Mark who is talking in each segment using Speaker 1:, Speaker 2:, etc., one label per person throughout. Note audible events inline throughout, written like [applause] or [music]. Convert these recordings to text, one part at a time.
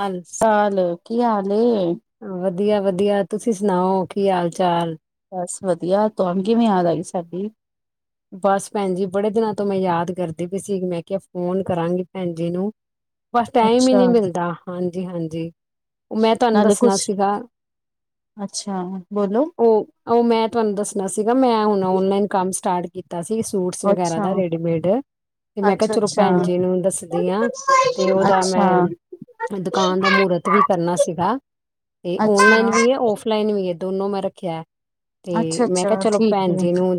Speaker 1: ਹਾਲ
Speaker 2: ਸਾਲ ਕੀ ਹਾਲ ਹ
Speaker 1: ਵਧੀਆ ਵਧੀਆ ਤੁਸੀਂ ਸੁਣਾਓ ਕੀ ਹਾਲ ਚਾਲ
Speaker 2: ਬਸ ਵਧੀਆ ਤਹਾਨ ਕਿਵੇਂ ਯਾਦ ਆਈ ਸਾਡੀ
Speaker 1: ਬਸ ਭੈਣ ਜੀ ਬੜੇ ਦਿਨਾਂ ਤੋਂ ਮੈਂ ਯਾਦ ਕਰਦੀ ਪਈ ਸੀ ਮੈਂ ਕਿਹਾ ਫੋਨ ਕਰਾਂਗੀ ਭੈਣ ਜੀ ਨੂੰ ਬਸ ਟਾਈਮ ਹੀ
Speaker 2: ਅੱਛਾ
Speaker 1: ਨਹੀਂੀ ਮਿਲਦਾ ਹਾਂਜੀ ਹਾਂਜੀ ਉਹ ਮੈਂ ਤੁਹਾਨੂੰ
Speaker 2: ਨਾਲੇ
Speaker 1: ਦੱਸਣਾ
Speaker 2: ਕੁਛ
Speaker 1: ਸੀਗਾ
Speaker 2: ਅੱਛਾ ਬੋਲੋ
Speaker 1: ਉਹ ਉਹ ਮੈਂ ਤੁਹਾਨੂੰ ਦੱਸਣਾ ਸੀਗਾ ਮੈਂ ਹੁਣ ਔਨਲਾਈਨ ਕੰਮ ਸਟਾਰਟ ਕੀਤਾ ਸੀ ਸੂਟਸ ਵਗੈਰਾ
Speaker 2: ਅੱਛਾ
Speaker 1: ਦਾ ਰੇਡੀਮੇਡ ਤੇ ਮੈਂ ਕਿਹਾ
Speaker 2: ਅੱਛਾ
Speaker 1: ਚਲੋ
Speaker 2: ਅੱਛਾ
Speaker 1: ਭੈਣ ਜੀ ਨੂੰ ਦੱਸਦੀ ਹਾਂ ਤੇ
Speaker 2: ਅੱਛਾ
Speaker 1: ਉਹਓਦਾ
Speaker 2: ਅੱਛਾ
Speaker 1: ਮੈਂ ਦੁਕਾਨ ਦਾ ਮਹੂਰਤ ਵੀ ਕਰਨਾ ਸੀਗਾ ਤੇ
Speaker 2: ਅੱਛਾ
Speaker 1: ਓਨਲਾਈਨ ਵੀ ਹੈ ਫਲਾਈਨ ਵੀ ਹੈ ਦੋਨੋ ਮੈਂ ਰੱਖਿਆ ਤੇ ਮੈਂ ਕਿਹਾ
Speaker 2: ਅੱਛਾ
Speaker 1: ਚਲੋ
Speaker 2: ਠੀਕ
Speaker 1: ਭੈਣ
Speaker 2: ਹੈ
Speaker 1: ਜੀ ਨੂੰ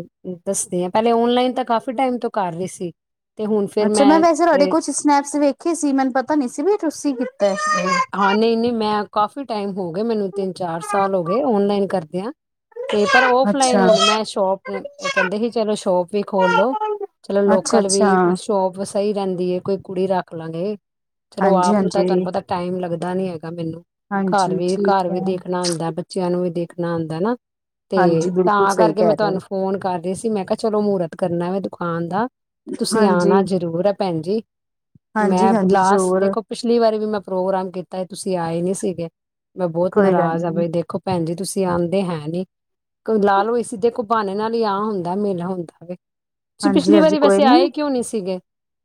Speaker 1: ਦੱਸਦੇ ਆਾਂ ਪਹਿਲੇ ਓਨਲਾਈਨ ਤਾਂ ਕਾਫੀ ਟਾਈਮ ਤੋਂ ਕਰ ਰ ਸੀ ਤੇ ਹੁਣ ਫੇਰ
Speaker 2: ਅੱਛਾ ਮੈਂ ਵੈਸੇ ਤੁਹਾਡੇ
Speaker 1: ਤੇ
Speaker 2: ਕੁਛ ਸਨੈਪਸ ਵੇਖੇ ਸੀ ਮੈਨੂੰ ਪਤਾ ਨੀ ਸੀ ਵੀ ਤੁਸੀਂ ਤੇ
Speaker 1: ਹਾਂ ਨਹੀਂ ਨਹੀਂ ਮੈਂ ਕਾਫੀ ਟਾਈਮ ਹੋ ਗ ਮੈਨੂੰ ਤਿੰਨ ਚਾਰ ਸਾਲ ਹੋ ਗਏ ਓਨਲਾਈਨ ਕਰਦੇਿਆਂ ਤੇ ਪਰ ਫਲਾਈਨ
Speaker 2: ਅੱਛਾ
Speaker 1: ਹੁਣ ਮੈਂ ਸ਼ੋਪ ਕਹਿੰਦੇ ਸੀ ਚਲੋ ਸ਼ੋਪ ਵੀ ਖੋਲੋ ਚਲੋ
Speaker 2: ਅੱਛਾ
Speaker 1: ਲੋਕਲ
Speaker 2: ਅੱਛਾ
Speaker 1: ਵੀ ਸ਼ੋਪ ਸਹੀ ਰਹਿੰਦੀ ਹੈ ਕੋਈ ਕੁੜੀ ਰੱਖ ਲ ਨੇ ਚਲੋ
Speaker 2: ਹਾਂਜੀ
Speaker 1: ਆਪ ਨੂੰ ਤਾਂ ਤੁਹਾਨੂੰ
Speaker 2: ਹਾਂਜੀ
Speaker 1: ਪਤਾ ਟਾਈਮ ਲੱਗਦਾ ਨੀ ਹੈ ਮੈਨੂੰ ਘਰ
Speaker 2: ਹਾਂਜੀ
Speaker 1: ਵੀ
Speaker 2: ਠੀਕ
Speaker 1: ਘਰ ਵੀ
Speaker 2: ਹੈ
Speaker 1: ਦੇਖਣਾ ਆਉਂਦਾ ਬੱਚਿਆਂ ਨੂੰ ਵੀ ਦੇਖ ਰਖਣਾ ਆਉਦਾ ਹਨਾ
Speaker 2: ਹਾਂਜੀ
Speaker 1: ਤੇ
Speaker 2: ਬਿਲਕੁਲ
Speaker 1: ਤਾਂ
Speaker 2: ਸਹੀ
Speaker 1: ਕਰਕੇ
Speaker 2: ਕਹਿ
Speaker 1: ਮੈਂ
Speaker 2: ਰਹੇ ਹੋ
Speaker 1: ਤੁਹਾਨੂੰ ਫੋਨ ਕਰ ਰ ਸੀ ਮੈਂ ਕਿਹਾ ਚਲੋ ਮਹੂਰਤ ਕਰਨਾ ਕਾਂ ਦਾ ਤੁਸੀਂ
Speaker 2: ਹਾਂਜੀ
Speaker 1: ਆਉਣਾ ਜਰੂਰ ਹੈ ਭੈਣਜੀ
Speaker 2: ਹਾਂਜੀ
Speaker 1: ਮੈਂ
Speaker 2: ਹਾਂਜੀ
Speaker 1: ਲਾਸਟ
Speaker 2: ਜ਼ਰੂਰ
Speaker 1: ਦੇਖੋ ਪਿਛਲੀ ਵਾਰੀ ਵੀ ਮੈਂ ਪ੍ਰੋਗਰਾਮ ਕੀਤਾ ਤੁਸੀਂ ਆਏ ਨਹੀਂ ਸੀਗੇ ਮੈਂ ਬਹੁਤ
Speaker 2: ਕੋਈ ਗੱਲ
Speaker 1: ਨਾਰਾਜ਼ ਆਾਂ
Speaker 2: ਨੀ
Speaker 1: ਬਈ ਦੇਖੋ ਭੈਣ ਜ ਤੁਸੀਂ ਆਉਂਦੇ ਹੈ ਨੀ ਕੋਈ ਲਾਲ ਹੋਏ ਸੀ ਦੇ ਕੋਈ ਬਾਣੇ ਨਾਲ ਆਹ ਹੁੰਦਾ ਮੇਲਾ ਹੁੰਦਾ ਵੀ ਤੁਸੀਂ
Speaker 2: ਹਾਂਜੀ
Speaker 1: ਪਿਛਲੀ
Speaker 2: ਹਾਂਜੀ
Speaker 1: ਵਾਰੀ
Speaker 2: ਕੋਈ
Speaker 1: ਵੈਸੇ
Speaker 2: ਨੀ
Speaker 1: ਆਏ ਕਿਉਂ ਨਹੀ ਸੀਗੇ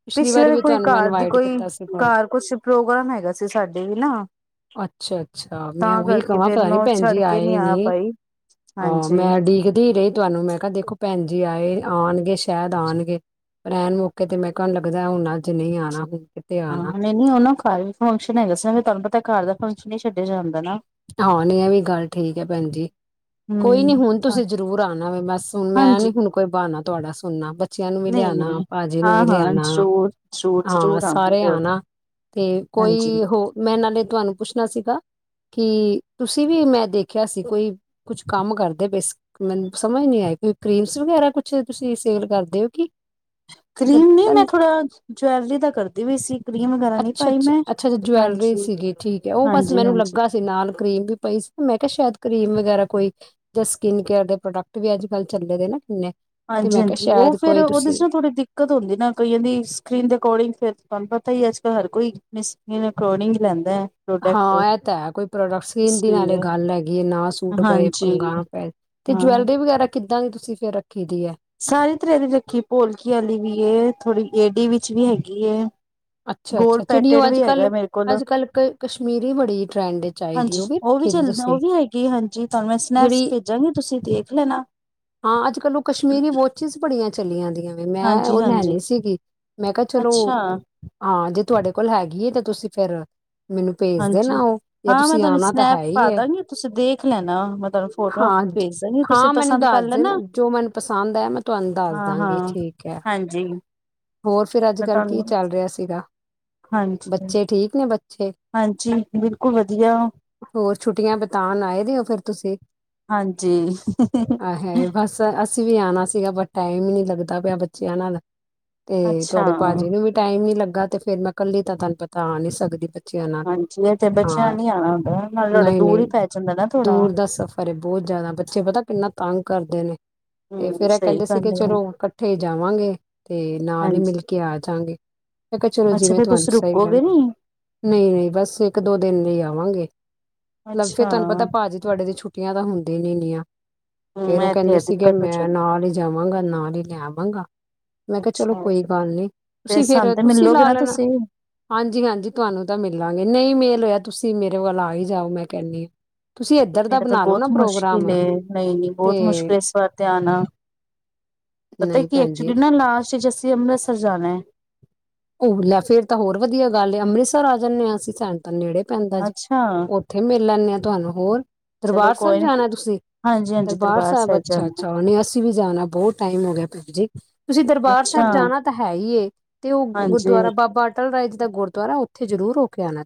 Speaker 1: ਪਿਛਲੀ ਵਾਰੀ ਵੀ
Speaker 2: ਕੋਈ
Speaker 1: ਤੁਹਾਨੂੰ ਮੈਂ
Speaker 2: ਘਰ ਦੀ
Speaker 1: ਇਨਵਾਈਟ
Speaker 2: ਕੋਈ
Speaker 1: ਕੀਤਾ ਸੀਗਾ
Speaker 2: ਘਰ ਕੁਛ ਪ੍ਰੋਗਰਾਮ ਹੈਗਾ ਸੀ ਸਾਡੇ ਵੀ ਨਾ
Speaker 1: ਅੱਛਾ ਅੱਛਾ ਮੈਂ
Speaker 2: ਤਾਂ
Speaker 1: ਉਹੀ
Speaker 2: ਕਰਕੇ
Speaker 1: ਕਵਾਂ
Speaker 2: ਫੇਰ
Speaker 1: ਪਤਾ
Speaker 2: ਮੈਂ
Speaker 1: ਨੀ
Speaker 2: ਉਹ
Speaker 1: ਭੈਣ
Speaker 2: ਛੱਡ
Speaker 1: ਜੀ
Speaker 2: ਕੇ
Speaker 1: ਆਏ
Speaker 2: ਆ
Speaker 1: ਨੀ
Speaker 2: ਪਾਈ
Speaker 1: ਅਹ
Speaker 2: ਹਾਂਜੀ
Speaker 1: ਮੈਂ ਉਡੀਕਦੀ ਰਹੀ ਤੁਹਾਨੂੰ ਮੈਂ ਕਿਹਾ ਦੇਖੋ ਭੈਣ ਜੀ ਆਏ ਆਉਣ ਸ਼ਾਇਦ ਆਉਣਗੇ ਐਨ ਮੌਕੇ ਤੇ ਮੈਂ ਕਿਹਾ ਲੱਗਦਾ ਹੁਣ ਅੱਜ ਨਹੀਂ ਆਉਣਾ ਹੁਣ ਕਿਤੇ ਆਣਾ।
Speaker 2: ਹਾਂ ਨਈਂ ਨਈਂ ਉਹਨੂੰ ਖਾਵੇ ਫੰਕਸ਼ਨ ਹੈਗਾ ਸੀ ਨਾ ਫੇ ਤੁਹਾਨੂੰ ਪਤਾ ਘਰ ਦਾ ਫੰਕਸ਼ਨ ਨਈਂ ਨਾ ਛੱਡਿਆ ਜਾਂਦਾ ਨਾ
Speaker 1: ਹਾਂ ਨਹੀਂ ਵੀ ਗੱਲ ਠੀਕ ਹੈ ਭੈਣ ਜੀ ਕੋਈ ਨੀ
Speaker 2: ਹਮ
Speaker 1: ਹੁਣ ਤੁਸੀਂ ਜਰੂਰ ਆਉਣਾ ਵ ਬਸ ਹੁਣ ਮੈਂ ਨੀ
Speaker 2: ਹਾਂਜੀ
Speaker 1: ਹੁਣ ਕੋਈ ਬਹਾਨਾ ਤੁਹਾਡਾ ਸੁਣਨਾ ਬੱਚ ਬੱਚਿਆਂ ਨੂੰ ਵੀ
Speaker 2: ਨਹੀਂ
Speaker 1: ਲਿਆਣਾ
Speaker 2: ਨਹੀਂ
Speaker 1: ਭਾਜੀ ਨੂੰ
Speaker 2: ਹਾਂ
Speaker 1: ਵੀ
Speaker 2: ਹਾਂ
Speaker 1: ਲਿਆਣਾ
Speaker 2: ਜ਼ਰੂਰ ਜ਼ਰੂਰ
Speaker 1: ਹਾਂ
Speaker 2: ਜ਼ਰੂਰ ਆਵਾਂ
Speaker 1: ਸਾਰੇ
Speaker 2: ਜ਼ਰੂਰ
Speaker 1: ਆਣਾ ਤੇ ਕੋਈ
Speaker 2: ਹਾਂਜੀ
Speaker 1: ਹੋ ਮੈਂ ਨਾਲੇ ਤੁਹਾਨੂੰ ਪੁੱਛਣਾ ਸੀਗਾ ਕੀ ਤੁਸੀਂ ਵੀ ਮੈਂ ਦੇਖਿਆ ਸੀ ਕੋਈ ਕੁਛ ਕੰਮ ਕਰਦੇ ਸੀ ਮੈਨੂੰ ਸਮਝ ਨੀ ਆਈ ਕੋਈ ਕਰੀਮਸ ਵਗੈਰਾ ਕੁਛ ਤੁਸੀਂ ਸੇਲ ਕਰਦੇ ਹੋ ਕਿ?
Speaker 2: ਕਰੀਮ ਨੀ ਮੈਂ ਥੋੜਾ ਜਵੈਲਰੀ ਦਾ ਕਰਦੀ ਵੀਈ ਸੀ ਕਰੀਮ ਵਗੈਰਾ ਨਹੀਂ
Speaker 1: ਅੱਛਾ
Speaker 2: ਪਾਈ
Speaker 1: ਅੱਛਾ
Speaker 2: ਮੈਂ
Speaker 1: ਅੱਛਾ ਅੱਛਾ ਜਵੈਲਰੀ
Speaker 2: ਹਾਂਜੀ
Speaker 1: ਸੀਗੀ ਠੀਕ ਹੈ ਉਹ ਬਸ
Speaker 2: ਹਾਂਜੀ
Speaker 1: ਮੈਨੂੰ
Speaker 2: ਹਾਂਜੀ
Speaker 1: ਲੱਗਾ ਸੀ ਨਾਲ ਕਰੀਮ ਵੀ ਪਈ ਸੀ ਨਾ ਮੈਂ ਕਿਹਾ ਸ਼ਾਇਦ ਕਰੀਮ ਵਗੈਰਾ ਕੋਈ ਜਾਂ ਸਕਿਨ ਕੇਅਰ ਦੇ ਪ੍ਰੋਡਕਟ ਵੀ ਅੱਜ ਕੱਲ ਚੱਲੇ ਦੇ ਨਾ ਕਿੰਨੇ ਤੇ
Speaker 2: ਹਾਂਜੀ
Speaker 1: ਮੈਂ ਕਿਹਾ
Speaker 2: ਹਾਂਜੀ ਉਹ
Speaker 1: ਸ਼ਾਇਦ
Speaker 2: ਫਿਰ
Speaker 1: ਕੋਈ
Speaker 2: ਉਹਦੇ
Speaker 1: ਤੁਸੀਂ
Speaker 2: ਨਾ ਥੋੜੀ ਦਿੱਕਤ ਹੁੰਦੀ ਨਾ ਕਈਆਂ ਦੀ ਸਕਿੰਨ ਦੇ ਅਕੋਰਡਿੰਗ ਫਿਰ ਤੁਹਾਨੂੰ ਪਤਾ ਪ ਹੀ ਅੱਜ ਕੱਲ ਹਰ ਕੋਈ ਆਪਣੀ ਸਕਿੰਨ ਦੇ ਅਕੌਰਡਿੰਗ ਹੀ ਲਾਉਦਾ
Speaker 1: ਹਾਂ ਇਹ ਤਾਂ ਹੈ ਕੋਈ ਪ੍ਰੋਡਕਸ
Speaker 2: ਇਸ
Speaker 1: ਨਾਲੇ
Speaker 2: ਲਈ
Speaker 1: ਗੱਲ ਹੈਗੀ ਹੈ ਨਾ ਸੂਟ ਪਏ
Speaker 2: ਹਾਂਜੀ
Speaker 1: ਪੰਗਾਂ ਪਏ ਤੇ
Speaker 2: ਹਾਂ
Speaker 1: ਜਵੈਲਰੀ ਵਗੈਰਾ ਕਿੱ ੱਦਾਂ ਦੀ ਤੁਸੀਂ ਫੇ ਰੱਖੀ ਦੀ ਹੈ
Speaker 2: ਸਾਰੇ ਤਰਾਂ ਦੀ ਰੱਖੀ ਭੋਲਕੀ ਵਾਲੀ ਵੀ ਏ ਥੋੜ੍ਹੀ ਏਹ ਲੇਡੀ ਵਿੱਚ ਵੀ ਹੈਗੀ ਏ
Speaker 1: ਅੱਛਾ
Speaker 2: ਗੋਲ
Speaker 1: ਅੱਛਾ ਜਿਹੜੀ
Speaker 2: ਪੈਟਡ
Speaker 1: ਉਹ ਅੱਜ
Speaker 2: ਵੀ ਹੈਗਾ
Speaker 1: ਕੱਲ
Speaker 2: ਮੇਰੇ ਕੋਲ
Speaker 1: ਅੱਜ ਕੱਲ ਕ ਕਸ਼ਮੀਰੀ ਬੜੀ ਟਰੈਂਡ ਚ ਆਈ ਦੀ
Speaker 2: ਹਾਂਜੀ
Speaker 1: ਉਹ ਵੀ ਵੇਖ
Speaker 2: ਚੱਲਦਾ ਉਹ
Speaker 1: ਤੁਸੀਂ
Speaker 2: ਵੀ ਹੈਗੀ ਹਾਂਜੀ ਤੁਹਾਨੂੰ ਮੈਂ ਸਨੈਪਸ
Speaker 1: ਜਿਹੜੀ
Speaker 2: ਭੇਜਾਂਗੀ ਤੁਸੀਂ ਦੇਖ ਲੈਣਾ
Speaker 1: ਹਾਂ ਅੱਜ ਕੱਲ ਉਹ ਕਸ਼ਮੀਰੀ ਵੋਚਿਸ ਬੜੀਆਂ ਚਲੀਆਂ ਦੀ ਮੈਂ ਉਹ
Speaker 2: ਹਾਂਜੀ-ਹਾਂਜੀ
Speaker 1: ਲੈਣੀ ਸੀਗੀ ਮੈਂ ਕਿਹਾ ਚਲੋ
Speaker 2: ਅੱਛਾ
Speaker 1: ਹਾਂ ਜੇ ਤੁਹਾਡੇ ਕੋਲ ਹੈਗੀ ਹੈ ਤਾਂ ਤੁਸੀਂ ਫਿਰ ਮੈਨੂੰ ਭੇਜ ਦੇ
Speaker 2: ਹਾਂਜੀ
Speaker 1: ਨਾ ਉਹ ਜਾਂ
Speaker 2: ਹਾਂ ਮੈਂ
Speaker 1: ਤੁਸੀਂ
Speaker 2: ਤੁਹਾਨੂੰ
Speaker 1: ਆਉਣਾ ਤਾਂ
Speaker 2: ਸਨੈਪ
Speaker 1: ਹੈ ਹੀ
Speaker 2: ਪਾ
Speaker 1: ਹੈ
Speaker 2: ਦਾਂਗੀ ਤੁਸੀਂ ਦੇਖ ਲੈਣਾ ਮੈਂ ਤੁਹਾਨੂੰ ਫੋਟੋਆਂ
Speaker 1: ਹਾਂ
Speaker 2: ਭੇਜ ਦਾਂਗੀ ਤੁਸੀਂ
Speaker 1: ਹਾਂ ਮੈਨੂੰ
Speaker 2: ਪਸੰਦ ਕਰ
Speaker 1: ਦੱਸ ਦੇ
Speaker 2: ਲੈਣਾ
Speaker 1: ਨਾ ਜੋ ਮੈਨੂੰ ਪਸੰਦ ਹੈ ਮੈਂ ਤੁਹਾਨੂੰ ਦੱਸ
Speaker 2: ਹਾਂ
Speaker 1: ਦਾਂਗੀ
Speaker 2: ਹਾਂ
Speaker 1: ਠੀਕ ਹੈ
Speaker 2: ਹਾਂਜੀ
Speaker 1: ਹੋਰ ਫਿਰ ਅੱਜ
Speaker 2: ਮੈਂ
Speaker 1: ਕੱਲ੍ਹ ਕੀ
Speaker 2: ਤੁਹਾਨੂੰ
Speaker 1: ਚੱਲ ਰਿਹਾ ਸੀਗਾ
Speaker 2: ਹਾਂਜੀ
Speaker 1: ਬੱਚੇ ਠੀਕ ਨੇ ਬ?
Speaker 2: ਹਾਂਜੀ ਬਿਲਕੁਲ ਵਧੀਆ
Speaker 1: ਹੋਰ ਛੁੱਟੀਆਂ ਬਿਤਾਨ ਆਏ ਦਿ ਹੋ ਫਿਰ ਤੁਸੀਂ?
Speaker 2: ਹਾਂਜੀ ਹ ਹ
Speaker 1: ਆਏ ਹਾਏ
Speaker 2: ਹ
Speaker 1: ਬਸ ਅਸੀਂ ਵੀ ਆਉਣਾ ਸੀਗਾ ਬ ਟਾਈਮ ਹੀ ਨਹੀਂੀ ਲੱਗਦਾ ਪਿਆ ਬੱਚਿਆਂ ਨਾਲ ਤੇ
Speaker 2: ਅੱਛਾ
Speaker 1: ਤੁਹਾਡੇ ਭਾਜੀ ਨੂੰ ਵੀ ਟਾਈਮ ਨ ਲੱਗਾ ਤੇ ਫੇਰ ਮੈਂ ਕੱਲੀ ਤਾਂ ਤੁਹਾਨੂੰ ਪਤਾ ਆ ਨੀ ਸਕਦੀ ਹਾਂ
Speaker 2: ਹਾਂਜੀ ਇਹ ਤੇ ਬੱਚਿਆਂ ਨੇ ਨੀ ਆਉਣਾ ਹੁੰਦਾ ਨਾਲੇ ਤੁਹਾਡਾ
Speaker 1: ਨਹੀਂ
Speaker 2: ਦੂਰ
Speaker 1: ਨਹੀਂ
Speaker 2: ਹੀ ਪੈ ਜਾਂਦਾ ਨਾ ਥੋੜਾ
Speaker 1: ਦੂਰ ਦਾ ਸਫ਼ਰ ਬਹੁਤ ਜ਼ਿਆਦਾ ਬੱਚੇ ਪਤਾ ਕਿੰਨਾ ਤੰਗ ਕਰਦੇ ਨੇ ਤੇ
Speaker 2: ਹਮ
Speaker 1: ਫਿਰ ਇਹ
Speaker 2: ਸਹੀ
Speaker 1: ਕਹਿੰਦੇ ਸੀ ਕਿ
Speaker 2: ਗੱਲ ਹੈ
Speaker 1: ਚਲੋ ਇਕੱਠੇ ਜਾਵਾਂਗੇ ਤੇ ਨਾਲ ਹੀ
Speaker 2: ਹਾਂਜੀ
Speaker 1: ਮਿਲ ਕੇ ਆ ਜਾਂਗੇ ਮੈਂ ਕਿਹਾ ਚਲੋ
Speaker 2: ਅੱਛਾ
Speaker 1: ਜਿਵੇਂ
Speaker 2: ਫੇਰ
Speaker 1: ਤੁਹਾਨੂੰ
Speaker 2: ਤੁਸੀਂ
Speaker 1: ਸਹੀ
Speaker 2: ਰੁਕੋਗੇ
Speaker 1: ਲੱਗਦਾ
Speaker 2: ਨੀ
Speaker 1: ਨਹੀਂ ਨਹੀਂ ਬਸ ਇੱਕ ਦੋ ਦਿਨ ਆਵਾਂਗੇ ਫੇਰ
Speaker 2: ਅੱਛਾ
Speaker 1: ਤੁਹਾਨੂੰ ਪਤਾ ਭਾਜੀੀ ਤੁਹਾਡੇ ਦੀ ਛੁੱਟੀਆਂ ਤਾਂ ਹੁੰਦੀ ਨੀ ਨੀਆਂ
Speaker 2: ਹਮ
Speaker 1: ਫੇਰ ਉਹ
Speaker 2: ਇਹ ਤੇ
Speaker 1: ਕਹਿੰਦੇ
Speaker 2: ਹੈ
Speaker 1: ਸੀਗੇ
Speaker 2: ਦਿੱਕਤ ਹੋ
Speaker 1: ਮੈਂ
Speaker 2: ਜਾਂਦੀ
Speaker 1: ਨਾਲ ਹੀ ਜਾਵਾਂਗਾ ਨਾਲ ਹੀ ਲੈ ਆਵਾਂਗਾ ਮੰੰਗਾ ਮੈਂ ਕਿਹਾ ਚਲੋ
Speaker 2: ਅੱਛਾ
Speaker 1: ਕੋਈ ਗੱਲ ਨਹੀਂੀ
Speaker 2: ਤੇ
Speaker 1: ਤੁਸੀਂ
Speaker 2: ਸਾਨੂੰ
Speaker 1: ਫਿਰ
Speaker 2: ਤੇ
Speaker 1: ਤੁਸੀਂ
Speaker 2: ਮਿਲੋਗੇ
Speaker 1: ਲਾ
Speaker 2: ਨਾ
Speaker 1: ਲੈਣਾ
Speaker 2: ਤੁਸੀਂ
Speaker 1: ਹਾਂਜੀ ਹਾਂਜੀ ਤੁਹਾਨੂੰ ਤਾਂ ਮਿਲਾਂਗੇ ਨਹੀਂ ਮੇ ਚਲ ਤੁਸੀਂ ਮੇਰੇ ਵੱਲ ਆ ਹੀ ਜਾਓ ਮੈਂ ਕਹਿੰਦੀ ਹਾਂ
Speaker 2: ਮੇਰਾ ਤਾਂ ਬਹੁਤ ਮੁਸ਼ਕਿਲ ਨਹੀਂ ਨਹੀਂ
Speaker 1: ਤੇ
Speaker 2: ਬਹੁਤ ਮੁਸ਼ਕਿਲ ਇਸ ਵਾਰ ਤੇ ਆਉਣਾ ਪਤਾ
Speaker 1: ਨਹੀਂ
Speaker 2: ਕਿ
Speaker 1: ਭੈਣ
Speaker 2: ਐਕਚੁਲੀ
Speaker 1: ਜੀ
Speaker 2: ਨਾ ਲਾਸਟ ਅੱਜ ਅਸੀ ਅੰਮ੍ਰਿਤਸਰ ਜਾਣਾਾ ਏ
Speaker 1: ਉਹ ਲੈ ਫੇਰ ਤਾਂ ਹੋਰ ਵਧੀਆ ਗੱਲ ਏ ਅੰਮ੍ਰਿਤਸਰ ਆ ਜਾਂਦੇ ਹਾਂ ਅਸੀਂ ਸੈਂ ਤ ਨੇੜੇ ਪੈਂਦਾ ਜੀ
Speaker 2: ਅੱਛਾ
Speaker 1: ਉੱਥੇ ਮਿਲ ਲੈਂਦੇ ਆਾਂ ਤੁਹਾਨੂੰ ਹੋਰ
Speaker 2: ਚਲੋ
Speaker 1: ਦਰਬਾਰ ਸਾਹਿਬ
Speaker 2: ਕੋਈ ਨੀ
Speaker 1: ਜਾਣਾ ਤੁਸੀਂ
Speaker 2: ਹਾਂਜੀ-ਹਾਂਜੀ
Speaker 1: ਦਰਬਾਰ ਸਾਹਿਬ ਅੱਛਾ
Speaker 2: ਜਾਣਾ ਐ
Speaker 1: ਅੱਛਾ ਉਹਨੇ ਅਸੀਂ ਵੀ ਜਾਣਾ ਬਹੁਤ ਟਾਈਮ ਹੋ ਗਿਆ ਪ। ਜੀ। ਤੁਸੀਂ ਦਰਬਾਰ
Speaker 2: ਅੱਛਾ
Speaker 1: ਸਾਹਿਬ ਜਾਣਾ ਤਾਂ ਹੈ ਹੀ ਤੇ ਉਹ ਗੁਰੁਆਰਾ
Speaker 2: ਹਾਂਜੀ-ਹਾਂਜੀ
Speaker 1: ਬਾਬਾ ਅਲ ਰਾ ਜੀ ਦਾ ਗੁਰਦੁਆਰਾ ਉੱਥੇ ਜ਼ਰੂਰ ਹੋ ਕੇ ਆਉਣਾ।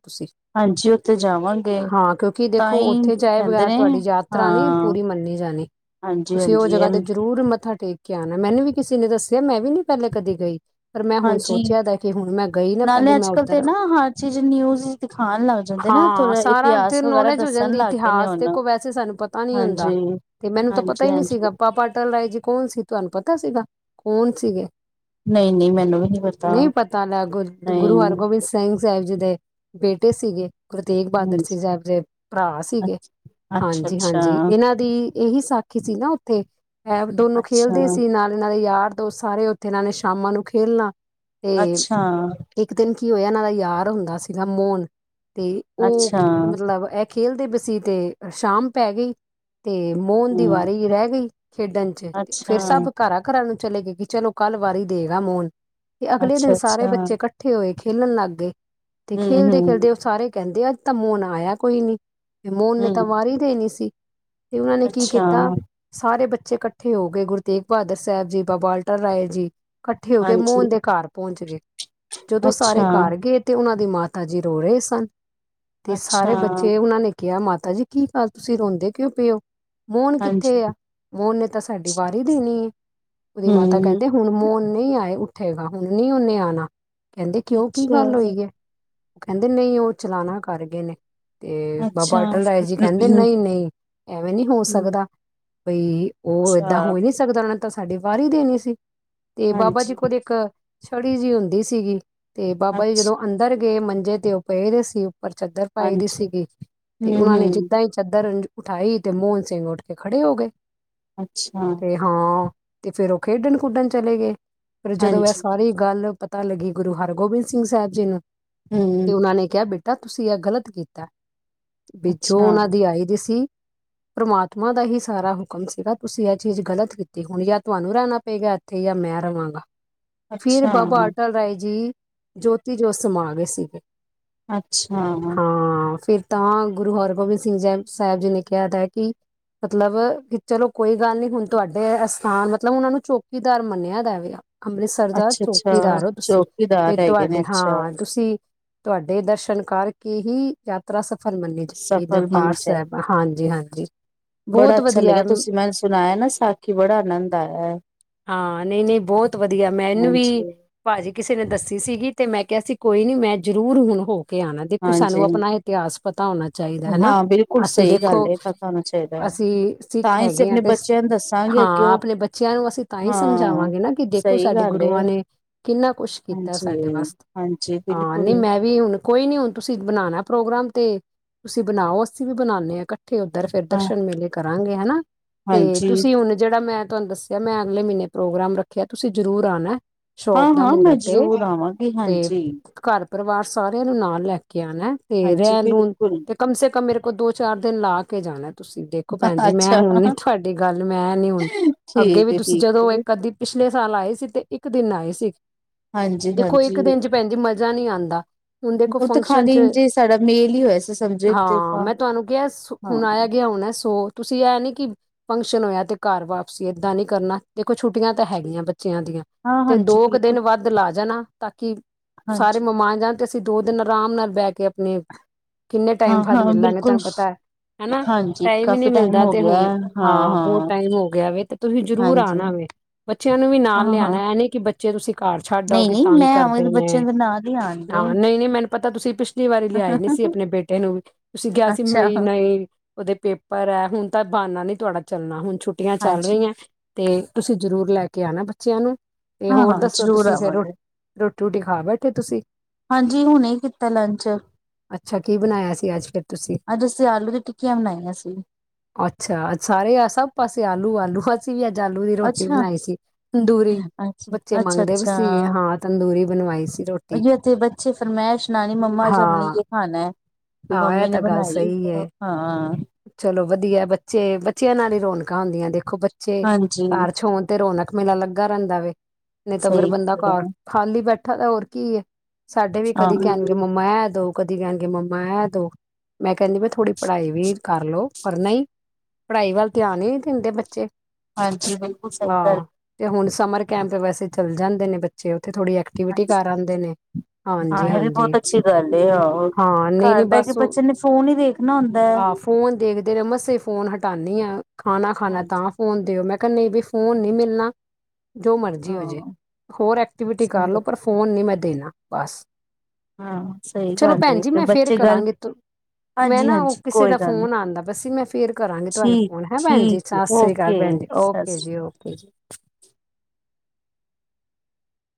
Speaker 2: ਉੱਥੇ ਜਾਵਾਂਗੇ
Speaker 1: ਹਾਂ ਕਿਉਂਕਿ
Speaker 2: ਤਾਂ
Speaker 1: ਦੇਖੋ
Speaker 2: ਈ
Speaker 1: ਉੱਥੇ ਜਾਏ
Speaker 2: ਕਹਿੰਦੇ
Speaker 1: ਬਗੈਰ
Speaker 2: ਨੇ
Speaker 1: ਤੁਹਾਡੀ
Speaker 2: ਹਾਂ
Speaker 1: ਯਾਤਰਾ ਨੀ ਪੂਰੀ ਮੰਨੀ ਜਾਣੀ ਤੁਸੀਂ ਉਹ
Speaker 2: ਹਾਂਜੀ-ਹਾਂਜੀ
Speaker 1: ਜਗ੍ਹਾ
Speaker 2: ਹਾਂਜੀ
Speaker 1: ਤੇ ਜ਼ਰੂਰ ਮੱਥਾ ਟੇਕ ਕਿਆ ਨਾ ਮੈਨੂੰ ਵੀ ਕਿਸੇ ਨੇ ਦੱਸਿਆ ਮੈਂ ਵੀ ਨਹੀ ਪਹਿਲੇ ਕਦੇ ਗਈ ਪਰ ਮੈਂ ਹੁਣ ਸੋਚ
Speaker 2: ਹਾਂਜੀ
Speaker 1: ਹੁਣ ਮੈਂ ਗਈ ਨਾ ਪਹਿਲੇ
Speaker 2: ਨਾਲੇ
Speaker 1: ਮੈਂ
Speaker 2: ਅੱਜ-ਕੱਲ ਤੇ
Speaker 1: ਉੱਧਰ ਹ
Speaker 2: ਨਾ ਹਰ ਚੀਜ਼ ਨਿਊਜ਼ ਦਿਖਾਣ ਲੱਗ ਜਾਂਦੇ ਨਾ
Speaker 1: ਹਾਂ
Speaker 2: ਥੋੜਾ
Speaker 1: ਸਾਰਾ ਤੇਰ
Speaker 2: ਇਤਿਹਾਸ ਵਗੈਰਾ
Speaker 1: ਨੌਲੇਜ ਹੋ
Speaker 2: ਦੱਸਣ
Speaker 1: ਜਾਂਦੀ
Speaker 2: ਲੱਗ ਗਏ ਨੇ
Speaker 1: ਇਤਿਹਾਸ
Speaker 2: ਹੁਣ
Speaker 1: ਦੇਖੋ ਵੈਸੇ ਸਾਨੂੰ ਪਤਾ ਨੀ ਹੁੰਦਾ ਤੇ ਮੈਨੂੰ ਤਾਂ ਪਤਾ ਹੀ ਨੀ
Speaker 2: ਹਾਂਜੀ-ਹਾਂਜੀ-ਹਾਂਜੀ
Speaker 1: ਸੀਗਾ ਪਾਪਾ ਪਤਲ ਰਾਏ ਜੀ ਕੌਣ ਸੀ ਤੁਹਾਨੂੰ ਪਤਾ ਸੀਗਾ ਕੌਣ ਸੀਗੇ
Speaker 2: ਨਹੀਂ ਨਹੀਂ ਮੈਨੂੰ ਵੀ
Speaker 1: ਨਹੀਂ ਪਤਾ ਲੱਗ ਗ
Speaker 2: ਨਹੀਂ
Speaker 1: ਗੁਰੂ ਹਰਗੋਬਿੰਦ ਸਿੰਘ ਸਾਹਿਬ ਜੀ ਦੇ ਬੇਟੇ ਸੀਗੇ। ਗੁਰੂ ਤੇਗ ਬਹਾਦਰ
Speaker 2: ਹਾਂਜੀ
Speaker 1: ਸਿੰਘ ਸਾਹਿਬ ਦੇ ਭਰਾ ਸੀਗੇ ਹਾਂਜੀ
Speaker 2: ਅੱਛਾ
Speaker 1: ਹਾਂਜੀ ਇਹਨਾਂ ਦੀ ਇਹੀ ਸਾਖੀ ਸੀ ਨਾ ਉੱਥੇ ਦੋਨੋ
Speaker 2: ਅੱਛਾ
Speaker 1: ਖੇਲਦੇ ਸੀ ਨਾਲ ਇਹਨਾਂ ਦੇ ਯਾਰ ਸਾਰੇ ਉੱਥੇ ਇਹ ਨੇ ਸ਼ਾਮਾਂ ਨੂੰ ਖੇਲਣਾ ਤੇ
Speaker 2: ਅੱਛਾ।
Speaker 1: ਇੱਕ ਦਿਨ ਕੀ ਹੋਇਆ ਇਹਨਾਂ ਦਾ ਯਾਰ ਹੁੰਦਾ ਸੀਗਾ ਮੋਹਨ ਤੇ ਉਹ
Speaker 2: ਅੱਛਾ ਅੱਛਾ
Speaker 1: ਮਤਲਬ ਇਹ ਖੇਲ ਦੇ ਸੀ ਤੇ ਸ਼ਾਮ ਪੈ ਗਈ। ਅਤੇ ਮੋਹਨ ਦੀ
Speaker 2: ਹੂੰ
Speaker 1: ਵਾਰੀ ਰਹਿ ਗਈ। ਖੇਡਣ ਚ ਤੇ
Speaker 2: ਅੱਛਾ
Speaker 1: ਫੇਿਰ ਸਭ ਘਰਾਂ ਘਰਾਂ ਨੂੰ ਚਲੇ ਗਏ ਕਿ ਚਲੋ ਕੱਲ੍ਹ ਵਾਰੀ ਦੇਗਾ ਮੋਹਨ ਤੇ ਅਗਲੇ ਦਿਨ
Speaker 2: ਅੱਛਾ
Speaker 1: ਸਾਰੇ
Speaker 2: ਅੱਛਾ
Speaker 1: ਬੱਚੇ ਇਕੱਠੇ ਹੋਏ। ਖੇਲਣ ਲੱਗ ਗਏ। ਤੇ
Speaker 2: ਹੂੰ
Speaker 1: ਖੇਲਦੇ
Speaker 2: ਹੂੰ
Speaker 1: ਖੇਲਦੇ ਉਹ ਸਾਰੇ ਕਹਿੰਦੇ ਆ ਤਾਂ ਮੋਨ ਆਇਆ ਕੋਈ ਨੀ ਤੇ ਮੋਹਨ ਨੇ
Speaker 2: ਹੂੰ
Speaker 1: ਤਾਂ ਵਾਰੀ ਦੇਣੀ ਸੀ। ਤੇ ਉਹਨਾਂ ਨੇ ਕੀ
Speaker 2: ਅੱਛਾ
Speaker 1: ਕੀਤਾ ਸਾਰੇ ਬੱਚੇ ਇਕੱਠੇ ਹੋ ਗਏ ਗੁਰੂ ਤੇਗ ਬਹਾਦਰ ਸਾਹਿਬ ਜੀ, ਬਾਬਾ ਅਟੱਲ ਰਾਏ ਜੀ। ਇਕੱਠੇ ਹੋ ਕੇ
Speaker 2: ਹਾਂਜੀ
Speaker 1: ਮੂੰਹ ਘ ਪਹੁੰਚ ਗਏ, ਜਦੋਂ ਸਾਰੇ
Speaker 2: ਅੱਛਾ
Speaker 1: ਘਰ ਗਏ ਤੇ ਉਹਨਾਂ ਦੀ ਮਾਤਾ ਜੀ ਰੋ ਰਹੇ ਸਨ। ਤੇ ਸਾਰੇ
Speaker 2: ਅੱਛਾ
Speaker 1: ਬੱਚੇ ਉਹਨਾਂ ਨੇ ਕਿਹਾ ਮਾਤਾ ਤਾ ਜੀ ਕੀ ਕਰ ਤੁਸੀਂ ਰੋਂਦੇ ਕਿਉਂ ਪਏ ਓ? ਮੋਹਨ
Speaker 2: ਹਾਂਜੀ
Speaker 1: ਕਿੱਥੇ ਆ? ਮੋਹਨ ਨੇ ਤਾਂ ਸਾਡੀ ਵਾਰੀ ਦੇਣੀ ਏ। ਉਹਦੀ ਮਾਤਾ
Speaker 2: ਹੂੰ
Speaker 1: ਕਹਿੰਦੇ ਹੁਣ ਮੋਹਨ ਨਹੀਂ ਆਏ ਉੱਠ ਹੈਗਾ, ਹੁਣ ਨੀ ਉਹਨੇ ਆਉਣਾ। ਕਹਿੰਦੇ ਕਿਉਂ ਕੀ
Speaker 2: ਅੱਛਾ
Speaker 1: ਗੱਲ ਹੋਈ ਹੈ। ਕਹਿੰਦੇ, ਨਹੀਂ ਉਹ ਚਲਾਣਾ ਕਰ ਗਏ ਨੇ। ਤੇ
Speaker 2: ਅੱਛਾ
Speaker 1: ਬਾਬਾ ਅਟਲ ਰਾਏ ਜੀ ਕਹਿੰਦੇ,
Speaker 2: ਹੂੰ
Speaker 1: ਨਹੀਂ -ਨਹੀਂ ਐਵੇਂ ਨਹੀਂ ਹੋ ਸਕਦਾ। ਬਈ ਉਹ
Speaker 2: ਅੱਛਾ
Speaker 1: ਏਦਾਂ ਹੋ ਹੀ ਨੀ ਸਕਦਾ ਉਹਨਾਂ ਤਾਂ ਸਾਡੀ ਵਾਰੀ ਦੇਣੀ ਸੀ। ਤੇ ਬਾਬਾ ਜੀ
Speaker 2: ਹਾਂਜੀ
Speaker 1: ਕੋ ਦੇਖ ਇੱਕ ਛੜੀ ਜਿਹੀ ਹੁੰਦੀ ਸੀਗੀ। ਤੇ ਬਾਬਾ ਜੀ
Speaker 2: ਅੱਛ
Speaker 1: ਜਦੋਂ ਅੰਦਰ ਗਏ ਮੰਜੇ ਤੇ ਉਹ ਪਏ ਗੇ ਸੀ ਉਹ। ਉਪੱਰ ਚਾਦਰ ਪਾਈ ਦੀ
Speaker 2: ਹਾਂਜੀ
Speaker 1: ਸੀਗੀ, ਤੇ
Speaker 2: ਹੂੰ
Speaker 1: ਉਹਨਾਂ ਨੇ
Speaker 2: ਹੂੰ
Speaker 1: ਜਿੱਦਾਂ ਹੀ ਚਾਦਰ ਉਠਾਈ, ਤੇ ਮੋਹਨ ਸਿੰਘ ਉੱਠ ਕੇ ਖੜੇ ਹੋ ਗਏ।
Speaker 2: ਅੱਛਾ
Speaker 1: ਤੇ ਹਾਂ ਤੇ ਫੇਰ ਉਹ ਖੇਡਣ-ਖੁਡਣ ਚਲੇ ਗਏ। ਫੇਰ ਜਦੋਂ ਇਹ
Speaker 2: ਹਾਂਜੀ
Speaker 1: ਸਾਰੀ ਗੱਲ ਪਤਾ ਲੱਗੀ, ਗੁਰੂ ਹਰਗੋਬਿੰਦ ਸਿੰਘ ਸਾਹਿਬ ਜੀ ਨੂੰ ਤੇ
Speaker 2: ਹੂੰ
Speaker 1: ਉਹਨਾਂ ਨੇ ਕਿਹਾ ਬੇ ਤਾਂ ਤੁਸੀਂ ਇਹ ਗ਼ਲਤ ਕੀਤਾ। ਵਿੱਚੋਂ
Speaker 2: ਅੱਛਾ
Speaker 1: ਉਹਨਾਂ ਦੀ ਆਈ ਦੀ ਸੀ। ਪਰਮਾਤਮਾ ਦਾ ਹੀ ਸਾਰਾ ਹੁਕਮ ਸੀਗਾ, ਤੁਸੀਂ ਇਹ ਚੀਜ਼ ਗ਼ਲਤ ਕੀਤੀ, ਹੁਣ ਜਾਂ ਤੁਹਾਨੂੰ ਰਹਿਣਾ ਪਏਗਾ ਇੱਥੇ ਜਾਂ ਮੈਂ ਰਵਾਂਗਾ। ਫਿਰ
Speaker 2: ਅੱਛਾ
Speaker 1: ਬਾਬਾ ਅਟੱਲ ਰਾਏ ਜੀ ਜੋਤੀ ਜੋਤ ਸਮਾ ਸੀਗੇ।
Speaker 2: ਅੱਛਾ
Speaker 1: ਹਾਂ ਫਿਰ ਤਾਂ ਗੁਰੂ ਹਰਗੋਬਿੰਦ ਸਿੰਘ ਜਹਿ ਸਾਹਿਬ ਜੀ ਨੇ ਕਿਹਾ ਤ ਕਿ ਮਤਲਬ ਕਿ ਚਲੋ ਕੋਈ ਗੱਲ ਨੀ ਹੁਣ ਤੁਹਾਡੇ ਅਸਥਾਨ ਮਤਲਬ ਉਹਨਾਂ ਨੂੰ ਚੌਕੀਦਾਰ ਮੰਨਿਆ ਜਾਵੇਗਾ ਅੰਮ੍ਰਿਤਸਰ ਦਾ
Speaker 2: ਅੱਛਾ ਅੱਛਾ
Speaker 1: ਚੌਂਕੀਦਾਰ ਹੋ ਤੁਸੀਂ
Speaker 2: ਚੌਕੀਦਾਰ
Speaker 1: ਵੀ
Speaker 2: ਹੈਗੇ ਨੇ
Speaker 1: ਤੁਹਾਡੇ
Speaker 2: ਅੱਛਾ
Speaker 1: ਹਾਂ ਤੁਸੀਂ ਤੁਹਾਡੇ ਦਰਸ਼ਨ ਕਰ ਕੇ ਹੀ ਯਾਤਰਾ ਸ
Speaker 2: ਸਫਲ ਮੰਚ ਹੈ
Speaker 1: ਹਾਂਜੀ ਹਾਂਜੀ
Speaker 2: ਬੜਾ
Speaker 1: ਬਹੁਤ
Speaker 2: ਅੱਛਾ ਲੱਗਿਆ
Speaker 1: ਵਧੀਆ
Speaker 2: ਤੁਸੀਂ ਮੈਨੂੰ ਸੁਣਾਇਆ ਨਾ ਸਾਖੀ ਬੜਾ ਆਨੰਦ ਆਇਆ ਹੈ
Speaker 1: ਹਾਂ ਨਹੀਂ ਨਹੀਂ ਬਹੁਤ ਵਧੀਆ ਮੈਂ ਇਹਨੂੰ ਵੀ ਭਾਜੀ ਕਿਸੇ ਕਿਸੇ ਨੇ ਦੱਸੀ ਸੀਗੀ ਤੇ ਮੈਂ ਕਿਹਾ ਸੀ ਕੋਈ ਨੀ ਮੈਂ ਜ਼ਰੂਰ ਹੁਣ ਹੋ ਕੇ ਆਉਣਾ ਦੇਖੋ ਸਾਨੂੰ
Speaker 2: ਹਾਂਜੀ
Speaker 1: ਆਪਣਾ ਇਤਿਹਾਸ ਪਤਾ ਹੋਣਾ ਚਾਹੀਦਾ ਹਨਾ
Speaker 2: ਹਾਂ ਬਿਲਕੁਲ
Speaker 1: ਅਸੀਂ
Speaker 2: ਸਹੀ ਗੱਲ
Speaker 1: ਦੇਖੋ
Speaker 2: ਹੈ ਪਤਾ ਹੋਣਾ ਚਾਹੀਦਾ ਹੈ
Speaker 1: ਅਸੀਂ ਸਿੱਖ
Speaker 2: ਤਾਂ ਹੀ ਅਸੀਂ
Speaker 1: ਹੈਗੇ ਹ
Speaker 2: ਆਪਣੇ
Speaker 1: ਤੇ
Speaker 2: ਬੱਚਿਆਂ ਨੂੰ ਦੱਸਾਂਗੇ
Speaker 1: ਹਾਂ
Speaker 2: ਅੱਗੇਓ
Speaker 1: ਆਪਣੇ ਬੱਚਿਆਂ ਨੂੰ ਅਸੀਂ ਤਾਂ ਹੀ
Speaker 2: ਹਾਂ
Speaker 1: ਸਮਝਾਵਾਂਗੇ ਨਾ ਕਿ ਦੇਖ
Speaker 2: ਸਹੀ
Speaker 1: ਸਾਡੇ
Speaker 2: ਗੱਲ ਏ
Speaker 1: ਗੁਰੂਆਂ ਨੇ ਕਿੰਨਾ ਕੁਛ ਕੀਤਾ
Speaker 2: ਹਾਂਜੀ
Speaker 1: ਸਾਡੇ ਵਾਸਤੇ
Speaker 2: ਹਾਂਜੀ
Speaker 1: ਹਾਂ
Speaker 2: ਬਿਲਕੁਲ
Speaker 1: ਨਹੀਂ ਮੈਂ ਵੀ ਕੋਈ ਨੀ ਹੁਣ ਤੁਸੀਂ ਬਣਾਉਣਾ ਪ੍ਰੋਗਰਾਮ ਤੇ ਤੁਸੀਂ ਬਣਾਓ ਅਸੀਂ ਵੀ ਬਣਾਦੇ ਹਾਂ ਇਕੱਠੇ ਥੇ ਉੱਧਰ ਫਿਰ
Speaker 2: ਹਾਂ
Speaker 1: ਦਰਸ਼ਨ ਮੇਲੇ ਕਰਾਂਗੇ ਹਨਾ ਤੇ
Speaker 2: ਹਾਂਜੀ
Speaker 1: ਤੁਸੀਂ ਹੁਣ ਜਿਹੜਾ ਮੈਂ ਤੁਹਾਨੂੰ ਦੱਸਿਆ ਮੈਂ ਅਗਲੇ ਮਹੀਨੇ ਪ੍ਰੋਗਰਾਮ ਰੱਖਿਆ ਤੁਸੀਂ ਜਰੂਰ ਆਉਣਾ
Speaker 2: ਹਾਂ ਹਾਂ ਮੈਂ ਜ਼ਰੂਰ ਆਵਾਂਗੀ
Speaker 1: ਤੇ
Speaker 2: ਹਾਂਜੀ
Speaker 1: ਘਰ ਪਰਿਵਾਰ ਸਾਰਿਆਂ ਨੂੰ ਨਾਲ ਲੈ ਕੇ ਤੇ
Speaker 2: ਹਾਂਜੀ
Speaker 1: ਰਹਿਣ ਰੂਣ
Speaker 2: ਬਿਲਕੁਲ
Speaker 1: ਤੇ ਕਮ ਸੇ ਕਮ ਮੇਰੇ ਕੋ ਦੋ ਚਾਰ ਦਿਨ ਲਾ ਕੇ ਜਾਣਾ ਤੁਸੀਂ ਦੇਖੋ ਭੈਣ ਜੀ ਮੈਂ
Speaker 2: ਅੱਛਾ
Speaker 1: ਹੁਣ ਨ ਤੁਹਾਡੀ ਗੱਲ ਮੈਂ ਨੀ ਹੁਣ ਅੱਗੇ
Speaker 2: ਠੀਕ
Speaker 1: ਵੀ
Speaker 2: ਹੈ
Speaker 1: ਤੁਸੀਂ
Speaker 2: ਠੀਕ
Speaker 1: ਜਦੋਂ
Speaker 2: ਹੈ
Speaker 1: ਇੱਕ ਅੱਧੀਛ ਪਿਛਲੇ ਸਾਲ ਆਏ ਸੀ ਤੇ ਇੱਕ ਦਿਨ ਆਏ ਸੀ
Speaker 2: ਹਾਂਜੀ
Speaker 1: ਦੇਖੋ ਇੱਕ
Speaker 2: ਹਾਂਜੀ
Speaker 1: ਦਿਨ ਚ ਭੈਣ ਜੀ ਮਰਜ਼ ਮਾ ਨਹੀਂ ਆਉਂਦਾ ਹੁਣ ਦੇਖੋ
Speaker 2: ਉਹ ਤਾਂ
Speaker 1: ਫੰਕਸ਼ਨ ਚ
Speaker 2: ਖਾਲੀ ਜੇ ਸਾਡਾ ਮੇਲ ਹੀ ਹੋਇਆ ਸੀ ਸਮਝੋ ਇੱਕ
Speaker 1: ਹਾਂ
Speaker 2: ਦਫਾ
Speaker 1: ਮੈਂ ਤੁਹਾਨੂੰ ਕਿਹਾ ਹੁਣ ਆਇਆ
Speaker 2: ਹਾਂ
Speaker 1: ਗਿਆ ਹੁਣ ਸੋ ਤੁਸੀਂ ਇਹ ਨੀ ਕਿ ਫੰਕਸ਼ਨ ਹੋਇਆ ਤੇ ਘਰ ਵਾਪਸੀ ਏਦਾਂ ਨੀ ਕਰਨਾ ਦੇਖੋ ਛੁੱਟੀਆਂ ਤਾਂ ਹੈਗੀਆਂ ਬੱਚਿਆਂ ਦੀਆਂ
Speaker 2: ਹਾਂ
Speaker 1: ਤੇ
Speaker 2: ਹਾਂਜੀ
Speaker 1: ਦੋ ਕੁ
Speaker 2: ਬਿਲਕੁਲ
Speaker 1: ਦਿਨ ਵੱਧ ਲਾ ਜਾਣਾ ਤਾਂਕ ਸਾਰੇ
Speaker 2: ਹਾਂਜੀ
Speaker 1: ਮਮਾਨ ਜਾਂ ਅਸੀਂ ਦੋ ਦਿਨ ਆਰਾਮ ਨਾਲ ਬਹਿ ਕੇ ਆਪਣੇ ਕਿੰਨੇ
Speaker 2: ਹਾਂ
Speaker 1: ਟਾਈਮ ਬਾਅਦ
Speaker 2: ਹਾਂ
Speaker 1: ਮਿਲਾਂਗੇ
Speaker 2: ਬਿਲਕੁਲ
Speaker 1: ਤੁਹਾਨੂੰ ਪਤਾ ਹੈ
Speaker 2: ਹਾਂਜੀ
Speaker 1: ਟਾਈਮ ਹੀ ਨਹੀਂ
Speaker 2: ਕਾਫੀ ਟਾਈਮ
Speaker 1: ਮਿਲਦਾ
Speaker 2: ਹੋ
Speaker 1: ਤੇ
Speaker 2: ਗਿਆ
Speaker 1: ਹੁਣ ਹਾਂ ਬਹੁਤ ਟਾਈਮ ਹੋ ਗਿਆ ਵ ਤੇ ਤੁਸੀਂ ਜ਼ਰੂਰ ਆ
Speaker 2: ਹਾਂਜੀ
Speaker 1: ਨਾ ਵੇ ਬੱਚਿਆਂ ਨੂੰ ਵੀ ਨਾਲ
Speaker 2: ਹਾਂ ਹਾਂ
Speaker 1: ਲਿਆਉਣਾ ਇਹਨੇ ਕਿ ਬ ਜੇ ਤੁਸੀਂ ਘਰ ਛੱਡ
Speaker 2: ਨਹੀਂ
Speaker 1: ਆਓਗੇ
Speaker 2: ਨਹੀਂ
Speaker 1: ਤੰਗ
Speaker 2: ਮੈਂ ਆਵਂਦੇ
Speaker 1: ਕਰਦੇ ਨੇ
Speaker 2: ਬੱਚਿਆਂ ਦੇ ਨਾਲ ਹੀ
Speaker 1: ਹਾਂ
Speaker 2: ਆਉਣਗੇ
Speaker 1: ਨਹੀਂ ਨਹੀਂ ਮੈਨੂੰ ਪਤਾ ਤੁਸੀਂ ਪਿੱਛ ਪਿਛਲੀ ਵਾਰੀ ਲਿਆਏ ਨ ਸੀ ਆਪਣੇ ਬੇਟੇ ਨੂੰ ਵੀ ਤੁਸੀਂ ਕਿਹਾ ਸੀ
Speaker 2: ਅੱਛਾ
Speaker 1: ਵੀ ਨਹੀਂ ਉਹਦੇ ਪੇਪਰ ਹੈ ਹੁਣ ਤਾਂ ਬਾਨਾ ਨੀ ਤੁਹਾਡਾ ਚੱਲਣਾ ਹੁਣ ਛੁੱਟੀਆਂ ਚੱਲ
Speaker 2: ਹਾਂਜੀ
Speaker 1: ਰਹੀਆਂ ਤੇ ਤੁਸੀਂ ਜ਼ਰੂਰ ਲੈ ਕੇ ਆਣਾ ਬੱਚਿਆਂ ਨੂੰ ਤੇ
Speaker 2: ਹਾਂ
Speaker 1: ਹੋਰ
Speaker 2: ਹਾਂ
Speaker 1: ਦੱਸੋ
Speaker 2: ਜ਼ਰੂਰ
Speaker 1: ਤੁਸੀਂ ਫਿਰ
Speaker 2: ਆਵਾਂਗੇ
Speaker 1: ਰੋਟੀ ਰੂਟੀ ਖਾ ਬੈਠੇ ਤੁਸੀਂ
Speaker 2: ਹਾਂਜੀ ਹੁਣੇ ਕੀਤਾ ਲੰਚ
Speaker 1: ਅੱਛਾ ਕੀ ਬਣਾਇਆ ਸੀ ਅੱਜ ਫਿਰ ਤੁਸੀਂ
Speaker 2: ਅੱਜ ਅਸੀਂ ਆਲੂ ਦੀ ਟਿੱਕੀਆਂ ਬਣਾਈਆਂ ਸੀ
Speaker 1: ਅੱਛਾ ਸਾਰੇ ਆ ਸਭ ਪਾਸੇ ਆਲੂ ਆਲੂ ਖੁਸੀ ਵੀ ਆਲੂ ਦੀ ਰੋਟੀ
Speaker 2: ਅੱਛਾ
Speaker 1: ਬਣਾਈ ਸੀ
Speaker 2: ਅ
Speaker 1: ਤੰਦੂਰੀ
Speaker 2: ਅੱਛਾ
Speaker 1: ਬੱਚੇ
Speaker 2: ਅੱਛਾ
Speaker 1: ਮੰਗਦੇ ਵੀ ਸੀਗੇ ਹਾਂ ਤੰਦੂਰੀ ਬਣਵਾਈ ਸੀ ਰੋਟੀ
Speaker 2: ਤੇ ਬੱਚੇ ਫਰਮੈਂ ਸੁਣਾਣੀ ਮੰਮਾ ਅੱਜ ਹਮ ਨੇ
Speaker 1: ਹਾਂ
Speaker 2: ਇਹ ਖਾਣਾ ਹੈ। ਤੇ
Speaker 1: ਆਹ ਇਹ
Speaker 2: ਮੰਮੀ ਨੇ
Speaker 1: ਤਾਂ ਗੱਲ
Speaker 2: ਬਣਾਈ
Speaker 1: ਸਹੀ ਹੈ
Speaker 2: ਹਾਂ।
Speaker 1: ਚਲੋ ਵਧੀਆ ਬੱਚੇ ਬੱਚਿਆਂ ਨਾਲ ਹੀ ਰੌਣਕਾਂ ਹੁੰਦੀਆਂ ਦੇਖੋ ਬੱਚੇ
Speaker 2: ਹਾਂਜੀ
Speaker 1: ਘਰ ਛੋਣ ਤੇ ਰੌਨਾਕ ਮੇਲਾ ਲੱਗਾ ਰਹਿੰਦਾ ਵ ਨਹੀਂ ਤਾਂ ਫੇਰ
Speaker 2: ਸਹੀ
Speaker 1: ਬੰਦਾ ਘਰ ਖਾਲੀ ਬੈਠਾ [unintelligible] ਤਾਂ ਹੋਰ ਕੀ ਹੈ। ਸਾਡੇ ਵੀ ਕਦੇ ਕਹਿਣਗੇ
Speaker 2: ਹਾਂ
Speaker 1: ਮੰਮਾ ਐ ਦੋ ਕਦੀ ਕਹਿਣਗੇ ਮੰਮਾ ਐ ਦੋ ਮੈਂ ਕਹਿੰਦੀ ਵੀ ਥੋੜ੍ਹੀ ਪੜ੍ਹਾਈ ਵੀ ਕਰਲਓ ਪਰ ਨਹੀਂ ਪੜ੍ਹਾਈ ਵੱਲ ਧਿਆਨ ਹੀ ਦਿੰਦੇ ਬੱਚੇ
Speaker 2: ਹਾਂਜੀ ਬਿਲਕੁਲ ਸਹੀ ਗੱਲ
Speaker 1: ਹਾਂ ਤੇ ਹੁਣ ਸਮਰ ਕੈਂਪ ਵੈਸੇ ਚੱਲ ਜਾਂਦੇ ਨੇ ਬੱਚੇ ਥੋੜ੍ਹੀ ਐਕਟੀਵਿਟੀ ਕਰ ਆਉਂਦੇ ਨੇ
Speaker 2: ਹਾਂ
Speaker 1: ਹਾਂਜੀ
Speaker 2: ਇਹ ਵੀ ਬਹੁਤ
Speaker 1: ਹਾਂਜੀ
Speaker 2: ਅੱਛੀ ਗੱਲ ਹੈ ਆਹੋ
Speaker 1: ਹਾਂ ਨਹੀਂ
Speaker 2: ਘਰ
Speaker 1: ਨਹੀਂ
Speaker 2: ਬਹਿ ਕੇ
Speaker 1: ਬਸ
Speaker 2: ਬੱਚੇ ਨੇ ਫੋਨ ਹੀ ਦੇਖਣਾ ਹੁੰਦਾ ਹੈ।
Speaker 1: ਆਹ ਫੋਨ ਦੇਖਦੇ ਨੇ ਮਾਸੇ ਫੋਨ ਹਟਾਂਦੀ ਹਾਂ। ਖਾਣਾ ਖਾਣਾ
Speaker 2: ਹਾਂਜੀ
Speaker 1: ਤਾਂ ਫੋਨ ਦਿਓ ਮੈਂ ਕ ਵੀ ਫੋਨ ਨਹੀਂ ਮਿਲਣਾ। ਜੋ ਮਰਜੀ ਹੋਜੇ
Speaker 2: ਹਾਂ
Speaker 1: ਹੋਰ ਐਕਟੀਵਿਟੀ
Speaker 2: ਸਹੀ
Speaker 1: ਕਰ ਲੋ
Speaker 2: ਗੱਲ
Speaker 1: ਪਰ ਫੋਨ ਨੀ ਮ ਦੇਣਾ ਪਾਸ।
Speaker 2: ਹਾਂ ਸਹੀ ਗੱਲ ਫਿਰ
Speaker 1: ਮੈਂ ਫੇਰ
Speaker 2: ਬੱਚੇ ਗੱਲ
Speaker 1: ਕਰਾਂਗੀ ਮੈਂ
Speaker 2: ਹਾਂਜੀ
Speaker 1: ਨਾ ਉਹ
Speaker 2: ਹਾਂਜੀ
Speaker 1: ਕਿਸੇ
Speaker 2: ਕੋਈ
Speaker 1: ਦਾ
Speaker 2: ਗੱਲ ਨੀ
Speaker 1: ਫੋਨ ਆਉਂਦਾ ਬਸ ਮੈਂ ਫੇਰ ਕਰਾਂਗੀ ਤੁਹਾਨੂੰ
Speaker 2: ਠੀਕ
Speaker 1: ਫੋਨ ਹੈ ਭੈਣ ਜੀ ਸਤਿ
Speaker 2: ਠੀਕ
Speaker 1: ਸ੍ਰੀ ਅਕਾਲ
Speaker 2: ਓਕੇ
Speaker 1: ਭੈਣ ਜੀ
Speaker 2: ਸਤਿ
Speaker 1: ਓਕੇ
Speaker 2: ਸ਼੍ਰੀ
Speaker 1: ਜੀ ਓਕੇ ਜੀ।